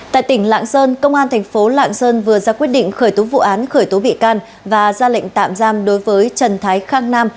tại tỉnh lạng sơn công an thành phố lạng sơn vừa ra quyết định khởi tố vụ án khởi tố bị can và ra lệnh tạm giam đối với trần thái khang nam